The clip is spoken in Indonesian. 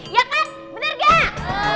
ya kan bener gak